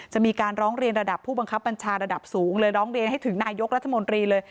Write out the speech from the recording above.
จะมีการร้องเรียนระดับผู้บังคับบัญชาระดับสูงเลยร้องเรียนให้ถึงนายกรัฐมนตรีเลย